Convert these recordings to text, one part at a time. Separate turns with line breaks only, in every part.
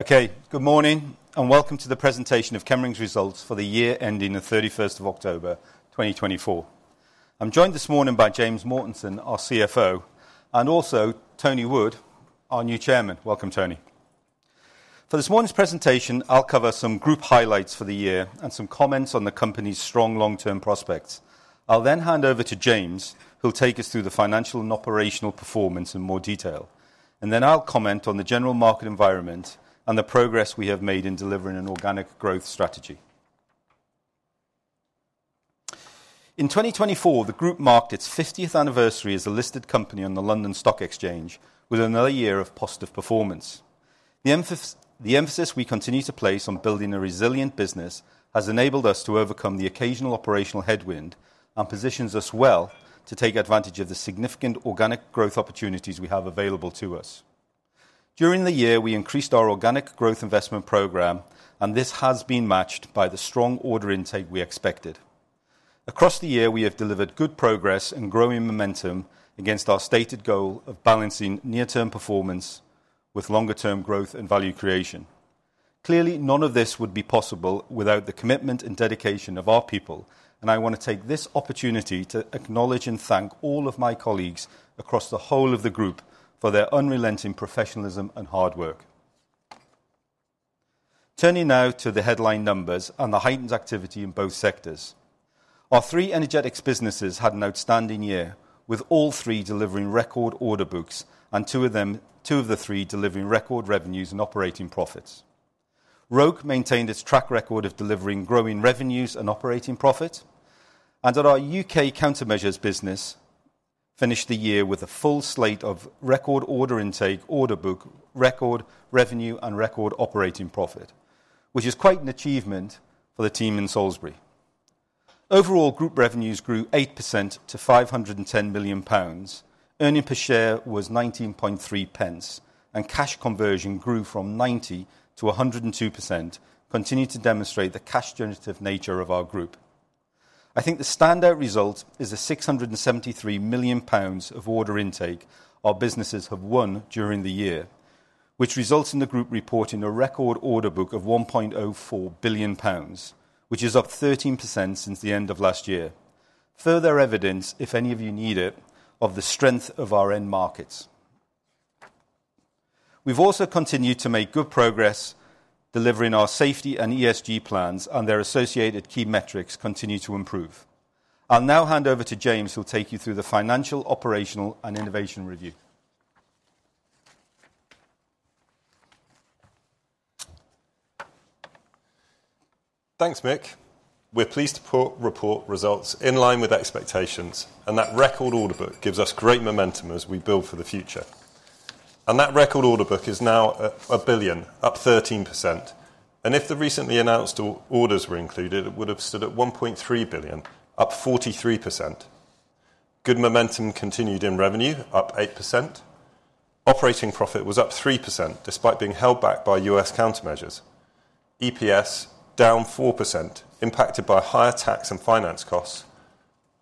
Okay, good morning, and welcome to the presentation of Chemring's results for the year ending the 31st of October, 2024. I'm joined this morning by James Mortensen, our CFO, and also Tony Wood, our new chairman. Welcome, Tony. For this morning's presentation, I'll cover some group highlights for the year and some comments on the company's strong long-term prospects. I'll then hand over to James, who'll take us through the financial and operational performance in more detail. And then I'll comment on the general market environment and the progress we have made in delivering an organic growth strategy. In 2024, the group marked its 50th anniversary as a listed company on the London Stock Exchange, with another year of positive performance. The emphasis we continue to place on building a resilient business has enabled us to overcome the occasional operational headwind and positions us well to take advantage of the significant organic growth opportunities we have available to us. During the year, we increased our organic growth investment program, and this has been matched by the strong order intake we expected. Across the year, we have delivered good progress and growing momentum against our stated goal of balancing near-term performance with longer-term growth and value creation. Clearly, none of this would be possible without the commitment and dedication of our people, and I want to take this opportunity to acknowledge and thank all of my colleagues across the whole of the group for their unrelenting professionalism and hard work. Turning now to the headline numbers and the heightened activity in both sectors, our three energetics businesses had an outstanding year, with all three delivering record order books, and two of them, two of the three, delivering record revenues and operating profits. Roke maintained its track record of delivering growing revenues and operating profit, and our U.K. Countermeasures business finished the year with a full slate of record order intake, order book, record revenue, and record operating profit, which is quite an achievement for the team in Salisbury. Overall, group revenues grew 8% to 510 million pounds. Earnings per share was 0.193, and cash conversion grew from 90%-102%, continuing to demonstrate the cash-generative nature of our group. I think the standout result is the 673 million pounds of order intake our businesses have won during the year, which results in the group reporting a record order book of 1.04 billion pounds, which is up 13% since the end of last year. Further evidence, if any of you need it, of the strength of our end markets. We've also continued to make good progress delivering our safety and ESG plans, and their associated key metrics continue to improve. I'll now hand over to James, who'll take you through the financial, operational, and innovation review.
Thanks, Mick. We're pleased to report results in line with expectations, and that record order book gives us great momentum as we build for the future. And that record order book is now 1 billion, up 13%. And if the recently announced orders were included, it would have stood at 1.3 billion, up 43%. Good momentum continued in revenue, up 8%. Operating profit was up 3% despite being held back by U.S. Countermeasures. EPS down 4%, impacted by higher tax and finance costs.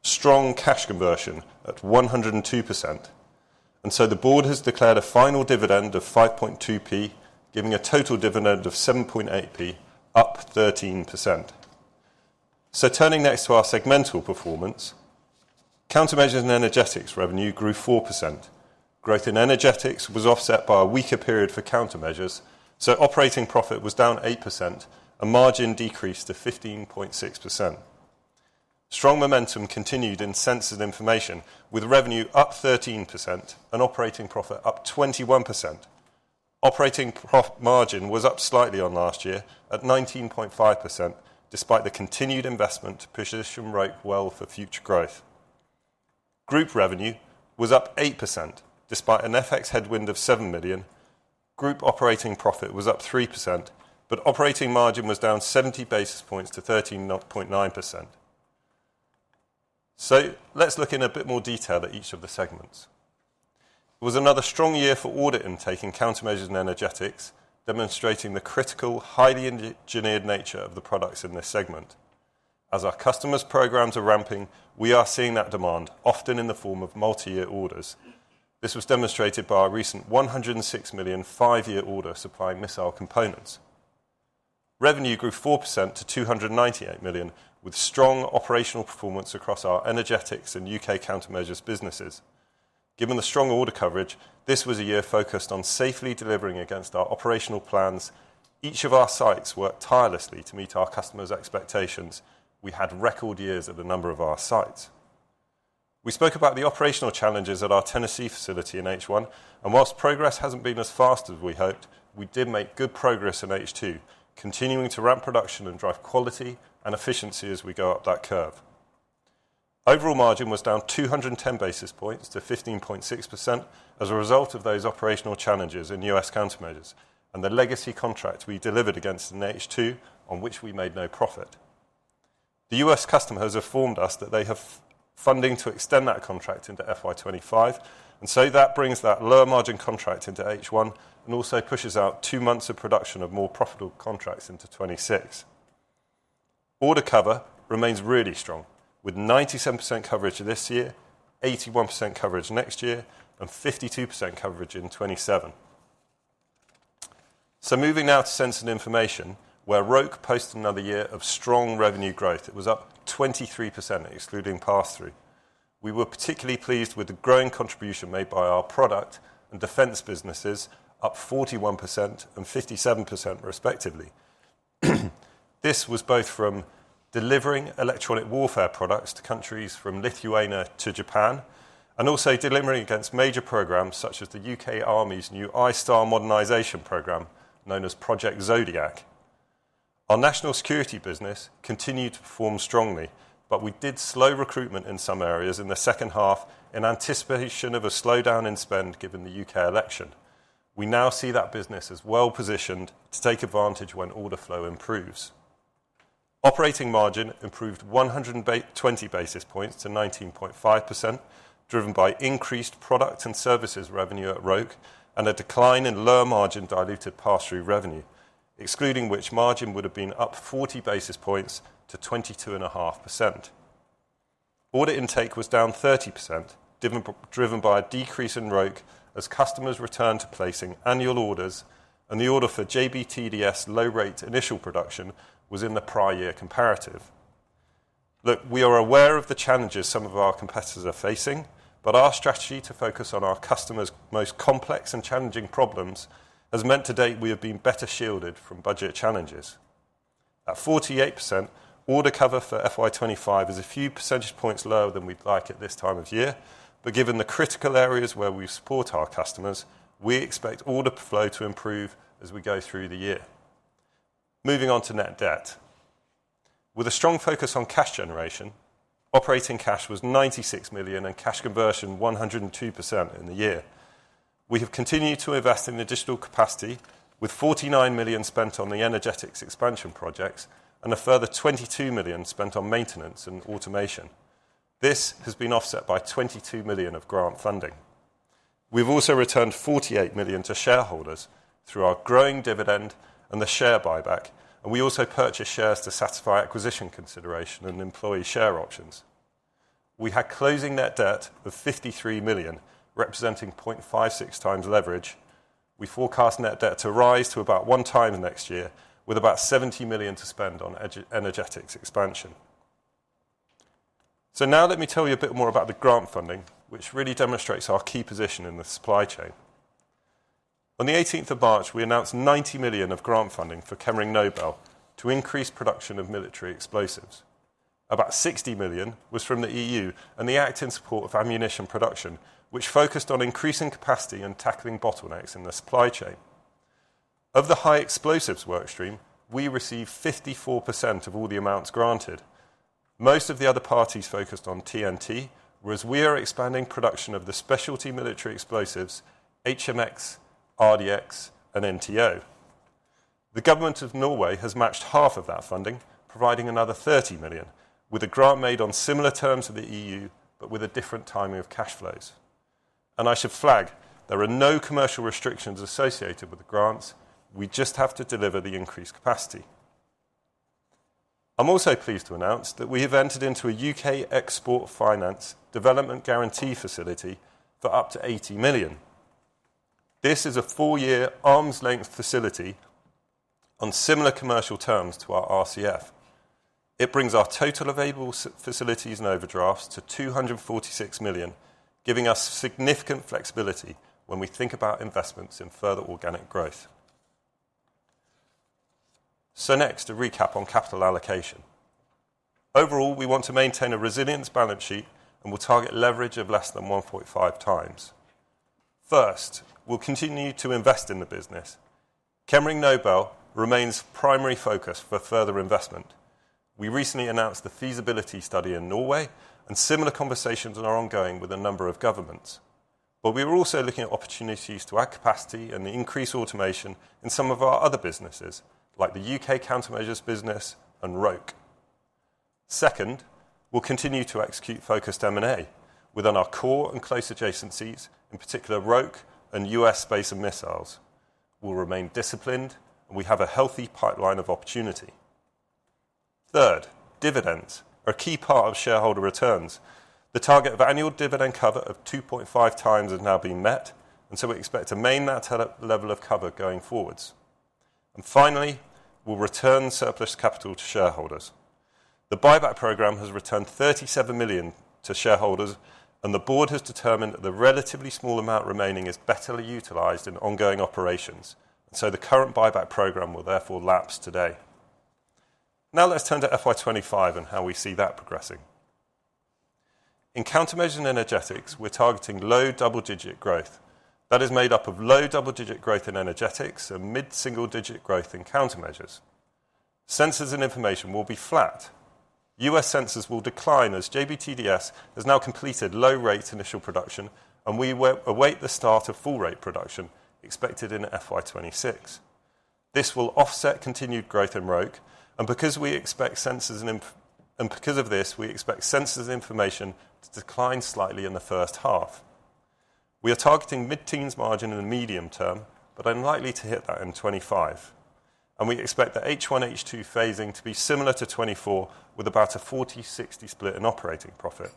Strong cash conversion at 102%. And so the board has declared a final dividend of 0.052, giving a total dividend of 0.078, up 13%. So turning next to our segmental performance, Countermeasures and Energetics revenue grew 4%. Growth in energetics was offset by a weaker period for countermeasures, so operating profit was down 8%, and margin decreased to 15.6%. Strong momentum continued in Sensors and Information, with revenue up 13% and operating profit up 21%. Operating profit margin was up slightly on last year at 19.5%, despite the continued investment to position Roke well for future growth. Group revenue was up 8% despite an FX headwind of 7 million. Group operating profit was up 3%, but operating margin was down 70 basis points to 13.9%. So let's look in a bit more detail at each of the segments. It was another strong year for order intake in Countermeasures and Energetics, demonstrating the critical, highly engineered nature of the products in this segment. As our customers' programs are ramping, we are seeing that demand, often in the form of multi-year orders. This was demonstrated by our recent 106 million five-year order supplying missile components. Revenue grew 4% to 298 million, with strong operational performance across our energetics and U.K. Countermeasures businesses. Given the strong order coverage, this was a year focused on safely delivering against our operational plans. Each of our sites worked tirelessly to meet our customers' expectations. We had record years at the number of our sites. We spoke about the operational challenges at our Tennessee facility in H1, and whilst progress hasn't been as fast as we hoped, we did make good progress in H2, continuing to ramp production and drive quality and efficiency as we go up that curve. Overall margin was down 210 basis points to 15.6% as a result of those operational challenges in U.S. Countermeasures and the legacy contracts we delivered against in H2, on which we made no profit. The U.S. customers have informed us that they have funding to extend that contract into FY25, and so that brings that lower margin contract into H1 and also pushes out two months of production of more profitable contracts into 2026. Order cover remains really strong, with 97% coverage this year, 81% coverage next year, and 52% coverage in 2027. So moving now to Sensors and Information, where Roke posted another year of strong revenue growth. It was up 23%, excluding pass-through. We were particularly pleased with the growing contribution made by our product and defense businesses, up 41% and 57%, respectively. This was both from delivering electronic warfare products to countries from Lithuania to Japan, and also delivering against major programs such as the U.K. Army's new ISTAR modernization program, known as Project Zodiac. Our national security business continued to perform strongly, but we did slow recruitment in some areas in the second half in anticipation of a slowdown in spend given the U.K. election. We now see that business as well positioned to take advantage when order flow improves. Operating margin improved 120 basis points to 19.5%, driven by increased product and services revenue at Roke and a decline in lower margin diluted pass-through revenue, excluding which margin would have been up 40 basis points to 22.5%. Order intake was down 30%, driven by a decrease in Roke as customers returned to placing annual orders, and the order for JBTDS low-rate initial production was in the prior year comparative. Look, we are aware of the challenges some of our competitors are facing, but our strategy to focus on our customers' most complex and challenging problems has meant to date we have been better shielded from budget challenges. At 48%, order cover for FY25 is a few percentage points lower than we'd like at this time of year, but given the critical areas where we support our customers, we expect order flow to improve as we go through the year. Moving on to net debt. With a strong focus on cash generation, operating cash was 96 million and cash conversion 102% in the year. We have continued to invest in additional capacity, with 49 million spent on the energetics expansion projects and a further 22 million spent on maintenance and automation. This has been offset by 22 million of grant funding. We've also returned 48 million to shareholders through our growing dividend and the share buyback, and we also purchased shares to satisfy acquisition consideration and employee share options. We had closing net debt of 53 million, representing 0.56x leverage. We forecast net debt to rise to about one time next year, with about 70 million to spend on energetics expansion. So now let me tell you a bit more about the grant funding, which really demonstrates our key position in the supply chain. On the 18th of March, we announced 90 million of grant funding for Chemring Nobel to increase production of military explosives. About 60 million was from the E.U. and the Act in Support of Ammunition Production, which focused on increasing capacity and tackling bottlenecks in the supply chain. Of the high explosives workstream, we received 54% of all the amounts granted. Most of the other parties focused on TNT, whereas we are expanding production of the specialty military explosives, HMX, RDX, and NTO. The government of Norway has matched half of that funding, providing another 30 million, with a grant made on similar terms to the EU, but with a different timing of cash flows. I should flag, there are no commercial restrictions associated with the grants. We just have to deliver the increased capacity. I'm also pleased to announce that we have entered into a U.K. Export Finance development guarantee facility for up to 80 million. This is a four-year arm's-length facility on similar commercial terms to our RCF. It brings our total available facilities and overdrafts to 246 million, giving us significant flexibility when we think about investments in further organic growth. Next, a recap on capital allocation. Overall, we want to maintain a resilience balance sheet and will target leverage of less than 1.5x. First, we'll continue to invest in the business. Chemring Nobel remains primary focus for further investment. We recently announced the feasibility study in Norway, and similar conversations are ongoing with a number of governments. But we were also looking at opportunities to add capacity and increase automation in some of our other businesses, like the U.K. Countermeasures business and Roke. Second, we'll continue to execute focused M&A within our core and close adjacencies, in particular Roke and U.S. space and missiles. We'll remain disciplined, and we have a healthy pipeline of opportunity. Third, dividends are a key part of shareholder returns. The target of annual dividend cover of 2.5x has now been met, and so we expect to maintain that level of cover going forward. And finally, we'll return surplus capital to shareholders. The buyback program has returned 37 million to shareholders, and the board has determined that the relatively small amount remaining is better utilized in ongoing operations, and so the current buyback program will therefore lapse today. Now let's turn to FY25 and how we see that progressing. In Countermeasures and Energetics, we're targeting low double-digit growth. That is made up of low double-digit growth in energetics and mid-single-digit growth in countermeasures. Sensors and information will be flat. U.S. Sensors will decline as JBTDS has now completed low-rate initial production, and we await the start of full-rate production expected in FY26. This will offset continued growth in Roke, and because we expect Sensors and Information, and because of this, we expect Sensors and Information to decline slightly in the first half. We are targeting mid-teens margin in the medium term, but I'm likely to hit that in 2025. And we expect the H1, H2 phasing to be similar to 2024, with about a 40%-60% split in operating profit.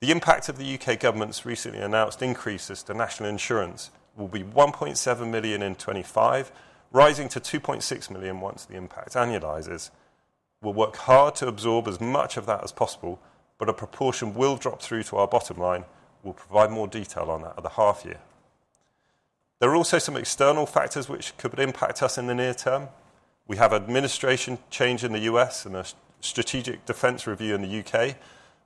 The impact of the U.K. government's recently announced increases to National Insurance will be 1.7 million in 2025, rising to 2.6 million once the impact annualizes. We'll work hard to absorb as much of that as possible, but a proportion will drop through to our bottom line. We'll provide more detail on that at the half year. There are also some external factors which could impact us in the near term. We have administration change in the U.S. and a Strategic Defence Review in the U.K.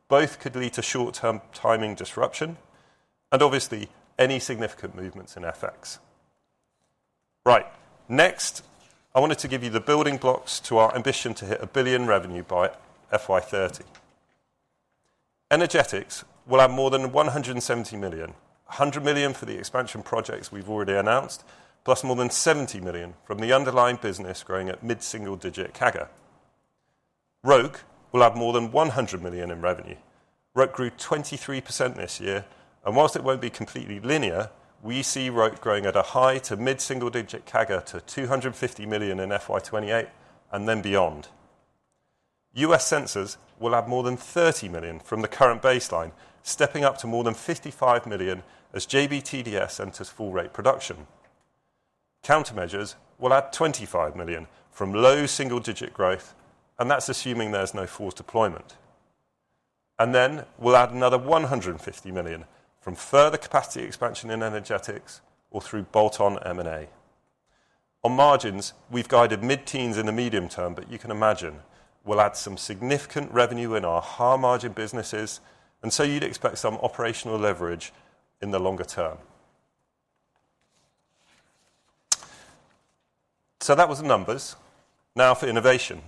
Both could lead to short-term timing disruption and obviously any significant movements in FX. Right, next, I wanted to give you the building blocks to our ambition to hit a billion revenue by FY'30. Energetics will have more than 170 million, 100 million for the expansion projects we've already announced, plus more than 70 million from the underlying business growing at mid-single-digit CAGR. Roke will have more than 100 million in revenue. Roke grew 23% this year, and whilst it won't be completely linear, we see Roke growing at a high to mid-single-digit CAGR to 250 million in FY28 and then beyond. U.S. Sensors will have more than 30 million from the current baseline, stepping up to more than 55 million as JBTDS enters full-rate production. Countermeasures will add 25 million from low single-digit growth, and that's assuming there's no forced deployment. And then we'll add another 150 million from further capacity expansion in energetics or through bolt-on M&A. On margins, we've guided mid-teens in the medium term, but you can imagine we'll add some significant revenue in our high-margin businesses, and so you'd expect some operational leverage in the longer term. So that was the numbers. Now for innovation.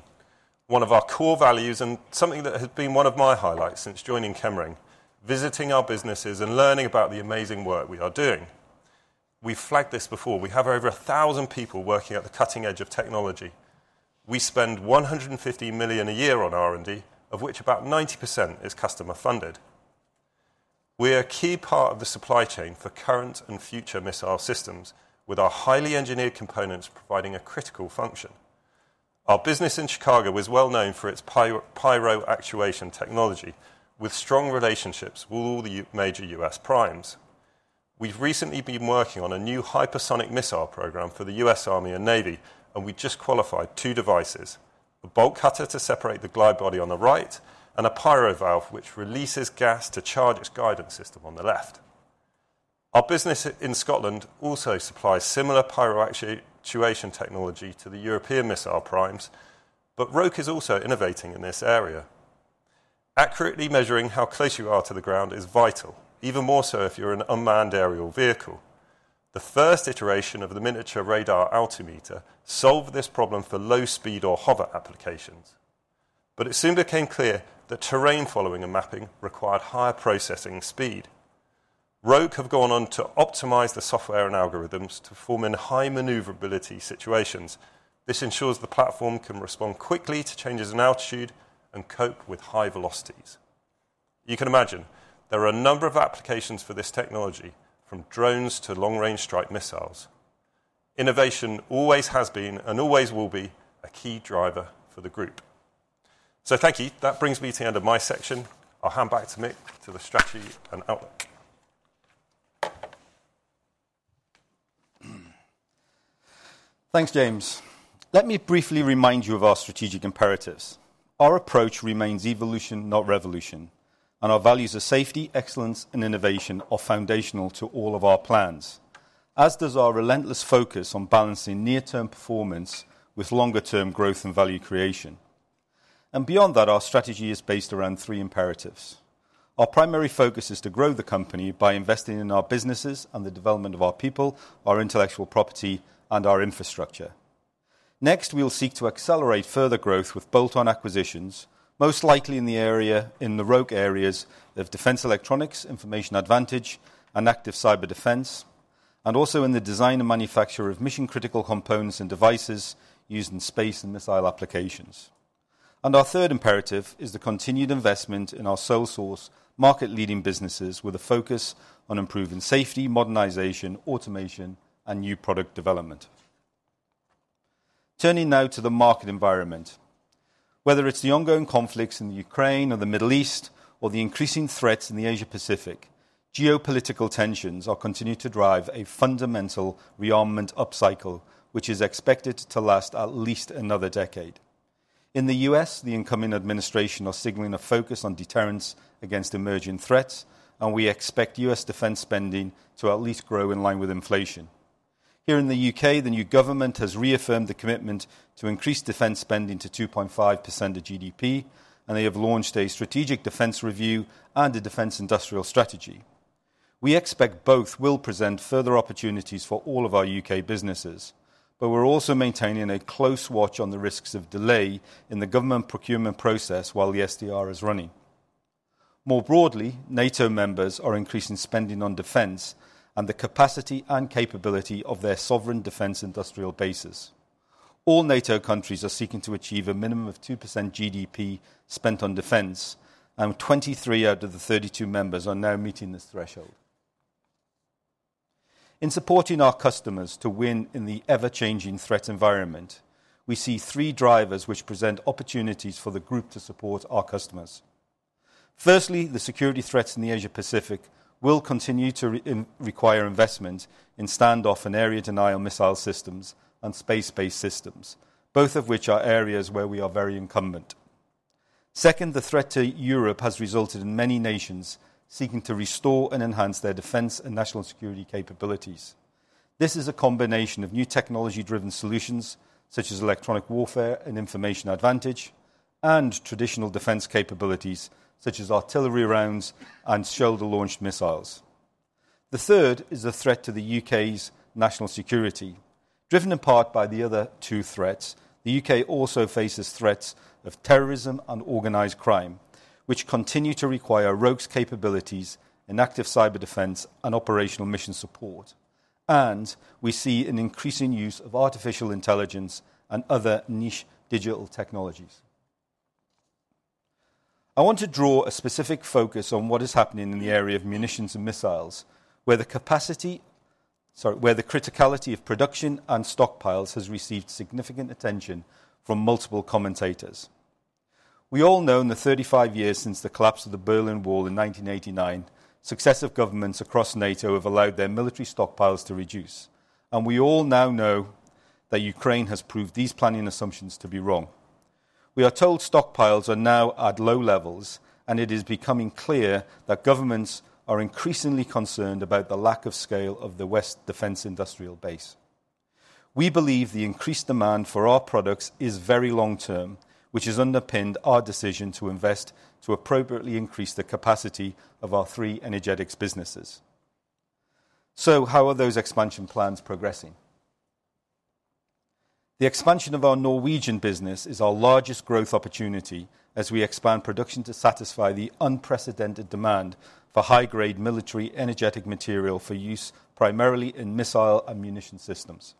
One of our core values and something that has been one of my highlights since joining Chemring, visiting our businesses and learning about the amazing work we are doing. We've flagged this before. We have over 1,000 people working at the cutting edge of technology. We spend 150 million a year on R&D, of which about 90% is customer-funded. We are a key part of the supply chain for current and future missile systems, with our highly engineered components providing a critical function. Our business in Chicago is well known for its pyro actuation technology, with strong relationships with all the major U.S. primes. We've recently been working on a new hypersonic missile program for the U.S. Army and U.S. Navy, and we just qualified two devices, a bolt cutter to separate the glide body on the right and a pyro valve which releases gas to charge its guidance system on the left. Our business in Scotland also supplies similar pyro actuation technology to the European missile primes, but Roke is also innovating in this area. Accurately measuring how close you are to the ground is vital, even more so if you're an unmanned aerial vehicle. The first iteration of the miniature radar altimeter solved this problem for low-speed or hover applications, but it soon became clear that terrain following and mapping required higher processing speed. Roke have gone on to optimize the software and algorithms to form in high maneuverability situations. This ensures the platform can respond quickly to changes in altitude and cope with high velocities. You can imagine there are a number of applications for this technology, from drones to long-range strike missiles. Innovation always has been and always will be a key driver for the group, so thank you. That brings me to the end of my section. I'll hand back to Mick to the strategy and outlook.
Thanks, James. Let me briefly remind you of our strategic imperatives. Our approach remains evolution, not revolution, and our values of safety, excellence, and innovation are foundational to all of our plans, as does our relentless focus on balancing near-term performance with longer-term growth and value creation, and beyond that, our strategy is based around three imperatives. Our primary focus is to grow the company by investing in our businesses and the development of our people, our intellectual property, and our infrastructure. Next, we'll seek to accelerate further growth with bolt-on acquisitions, most likely in the areas of Roke, defense electronics, information advantage, and active cyber defense, and also in the design and manufacture of mission-critical components and devices used in space and missile applications. Our third imperative is the continued investment in our sole source market-leading businesses with a focus on improving safety, modernization, automation, and new product development. Turning now to the market environment. Whether it's the ongoing conflicts in the Ukraine or the Middle East or the increasing threats in the Asia-Pacific, geopolitical tensions are continuing to drive a fundamental rearmament upcycle, which is expected to last at least another decade. In the U.S., the incoming administration is signaling a focus on deterrence against emerging threats, and we expect U.S. defense spending to at least grow in line with inflation. Here in the U.K., the new government has reaffirmed the commitment to increase defense spending to 2.5% of GDP, and they have launched a Strategic Defence Review and a Defence Industrial Strategy. We expect both will present further opportunities for all of our U.K. businesses, but we're also maintaining a close watch on the risks of delay in the government procurement process while the SDR is running. More broadly, NATO members are increasing spending on defense and the capacity and capability of their sovereign defense industrial bases. All NATO countries are seeking to achieve a minimum of 2% GDP spent on defense, and 23 out of the 32 members are now meeting this threshold. In supporting our customers to win in the ever-changing threat environment, we see three drivers which present opportunities for the group to support our customers. Firstly, the security threats in the Asia-Pacific will continue to require investment in stand-off and area denial missile systems and space-based systems, both of which are areas where we are very incumbent. Second, the threat to Europe has resulted in many nations seeking to restore and enhance their defense and national security capabilities. This is a combination of new technology-driven solutions, such as electronic warfare and information advantage, and traditional defense capabilities, such as artillery rounds and shoulder-launched missiles. The third is a threat to the U.K.'s national security. Driven apart by the other two threats, the U.K. also faces threats of terrorism and organized crime, which continue to require Roke's capabilities in active cyber defense and operational mission support. And we see an increasing use of artificial intelligence and other niche digital technologies. I want to draw a specific focus on what is happening in the area of munitions and missiles, where the criticality of production and stockpiles has received significant attention from multiple commentators. We all know in the 35 years since the collapse of the Berlin Wall in 1989, successive governments across NATO have allowed their military stockpiles to reduce, and we all now know that Ukraine has proved these planning assumptions to be wrong. We are told stockpiles are now at low levels, and it is becoming clear that governments are increasingly concerned about the lack of scale of the West's defense industrial base. We believe the increased demand for our products is very long-term, which has underpinned our decision to invest to appropriately increase the capacity of our three energetics businesses. So how are those expansion plans progressing? The expansion of our Norwegian business is our largest growth opportunity as we expand production to satisfy the unprecedented demand for high-grade military energetic material for use primarily in missile ammunition systems.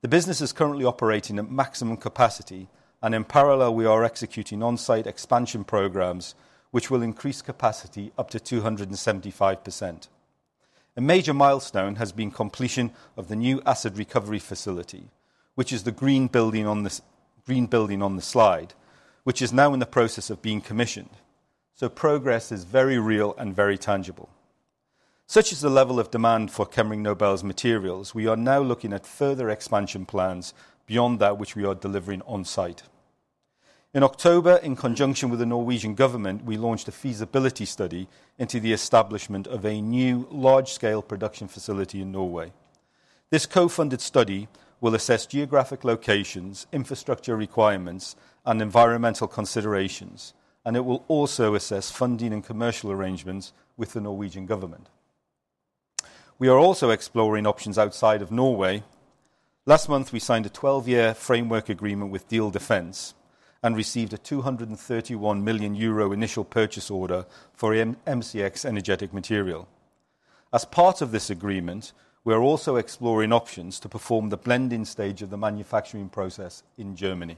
The business is currently operating at maximum capacity, and in parallel, we are executing on-site expansion programs, which will increase capacity up to 275%. A major milestone has been completion of the new acid recovery facility, which is the green building on the slide, which is now in the process of being commissioned. So progress is very real and very tangible. Such is the level of demand for Chemring Nobel's materials. We are now looking at further expansion plans beyond that which we are delivering on-site. In October, in conjunction with the Norwegian government, we launched a feasibility study into the establishment of a new large-scale production facility in Norway. This co-funded study will assess geographic locations, infrastructure requirements, and environmental considerations, and it will also assess funding and commercial arrangements with the Norwegian government. We are also exploring options outside of Norway. Last month, we signed a 12-year framework agreement with Diehl Defence and received a 231 million euro initial purchase order for MCX energetic material. As part of this agreement, we are also exploring options to perform the blending stage of the manufacturing process in Germany.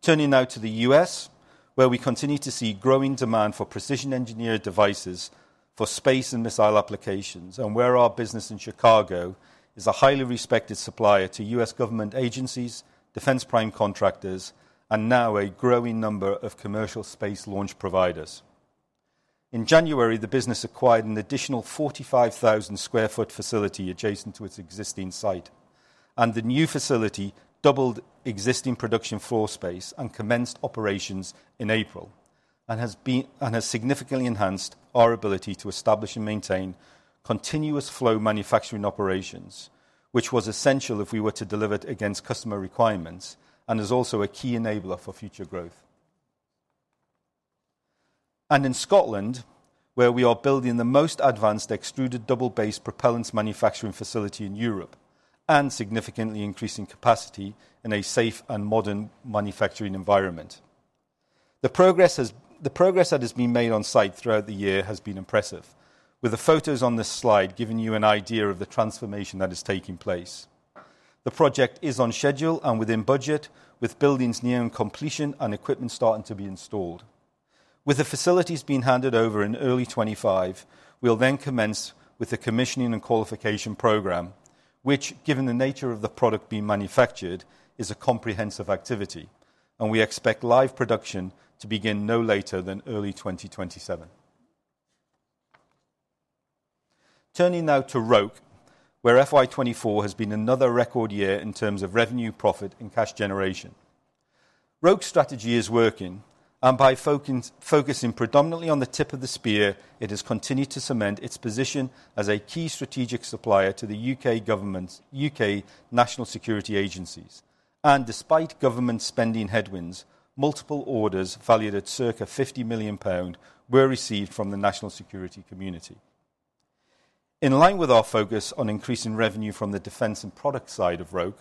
Turning now to the U.S., where we continue to see growing demand for precision engineered devices for space and missile applications, and where our business in Chicago is a highly respected supplier to U.S. government agencies, defense prime contractors, and now a growing number of commercial space launch providers. In January, the business acquired an additional 45,000 sq ft facility adjacent to its existing site, and the new facility doubled existing production floor space and commenced operations in April, and has significantly enhanced our ability to establish and maintain continuous flow manufacturing operations, which was essential if we were to deliver it against customer requirements and is also a key enabler for future growth, and in Scotland, where we are building the most advanced extruded double-based propellants manufacturing facility in Europe and significantly increasing capacity in a safe and modern manufacturing environment. The progress that has been made on-site throughout the year has been impressive, with the photos on this slide giving you an idea of the transformation that is taking place. The project is on schedule and within budget, with buildings nearing completion and equipment starting to be installed. With the facilities being handed over in early 2025, we'll then commence with the commissioning and qualification program, which, given the nature of the product being manufactured, is a comprehensive activity, and we expect live production to begin no later than early 2027. Turning now to Roke, where FY24 has been another record year in terms of revenue, profit, and cash generation. Roke's strategy is working, and by focusing predominantly on the tip of the spear, it has continued to cement its position as a key strategic supplier to the U.K. government's U.K. national security agencies, and despite government spending headwinds, multiple orders valued at circa 50 million pound were received from the national security community. In line with our focus on increasing revenue from the defense and product side of Roke,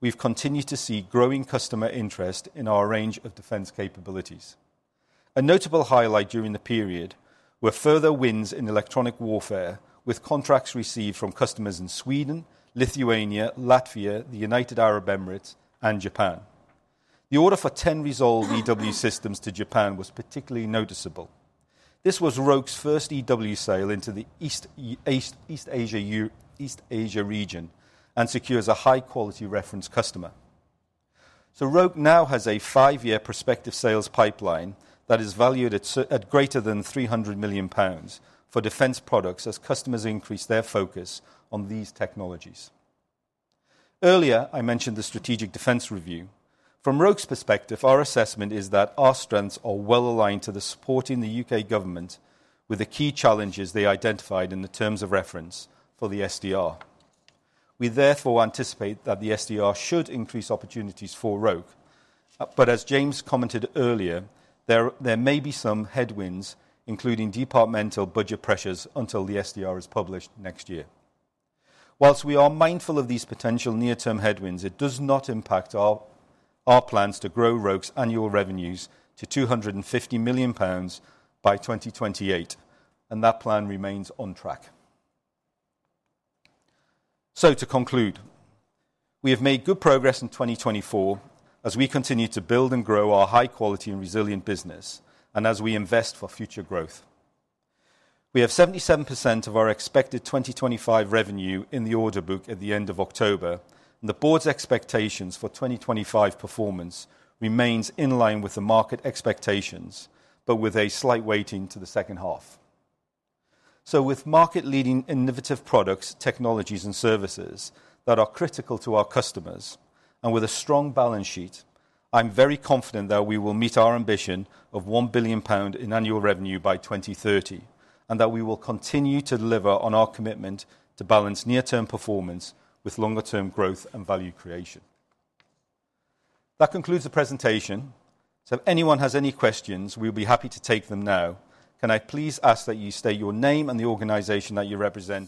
we've continued to see growing customer interest in our range of defense capabilities. A notable highlight during the period were further wins in electronic warfare, with contracts received from customers in Sweden, Lithuania, Latvia, the United Arab Emirates, and Japan. The order for 10 Resolve EW systems to Japan was particularly noticeable. This was Roke's first EW sale into the East Asia region and secures a high-quality reference customer. So Roke now has a five-year prospective sales pipeline that is valued at greater than 300 million pounds for defense products as customers increase their focus on these technologies. Earlier, I mentioned the Strategic Defense Review. From Roke's perspective, our assessment is that our strengths are well aligned to the support in the U.K. government with the key challenges they identified in the terms of reference for the SDR. We therefore anticipate that the SDR should increase opportunities for Roke, but as James commented earlier, there may be some headwinds, including departmental budget pressures, until the SDR is published next year. While we are mindful of these potential near-term headwinds, it does not impact our plans to grow Roke's annual revenues to 250 million pounds by 2028, and that plan remains on track. So to conclude, we have made good progress in 2024 as we continue to build and grow our high-quality and resilient business and as we invest for future growth. We have 77% of our expected 2025 revenue in the order book at the end of October, and the board's expectations for 2025 performance remains in line with the market expectations, but with a slight weighting to the second half. So with market-leading innovative products, technologies, and services that are critical to our customers, and with a strong balance sheet, I'm very confident that we will meet our ambition of 1 billion pound in annual revenue by 2030, and that we will continue to deliver on our commitment to balance near-term performance with longer-term growth and value creation. That concludes the presentation. So if anyone has any questions, we'll be happy to take them now. Can I please ask that you state your name and the organization that you represent?